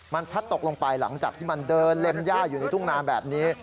มันพัดตกลงไปหลังจากที่มันเดินเล็มย่าอยู่ในทุ่งนาแบบนี้